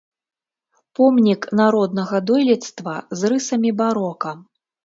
Помнік народнага дойлідства з рысамі барока.